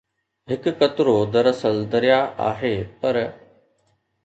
هڪ قطرو دراصل درياهه آهي پر